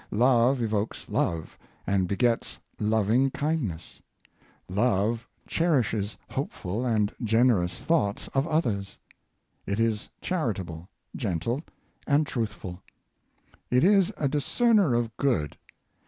Love evokes love, and begets loving kindness. Love cherishes hopeful and generous thoughts of others. It is charitable, gentle, and truthful. It is a discerner of good.